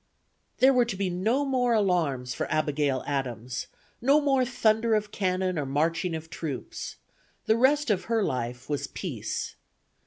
" There were to be no more alarms for Abigail Adams; no more thunder of cannon or marching of troops: the rest of her life was peace.